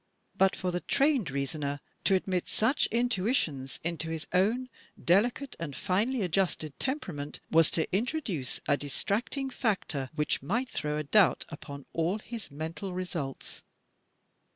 But for the trained reasoner to admit such intuitions into his own delicate and finely adjusted temperament was to intro duce a distracting factor which might throw a doubt upon all his mental results.